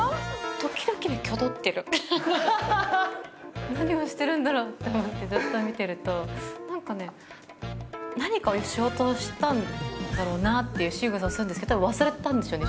時々ね何をしてるんだろうって思ってずっと見てるとなんかね何かをしようとしたんだろうなっていうしぐさするんですけど忘れたんでしょうね